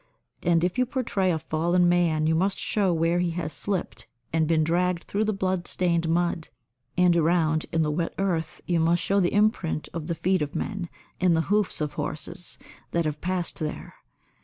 And if you portray a fallen man you must show where he has slipped and been dragged through the blood stained mud, and around in the wet earth you must show the imprint of the feet of men and the hoofs of horses that have passed there.